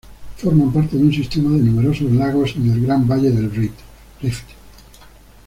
Forma parte de un sistema de numerosos lagos en el Gran Valle del Rift.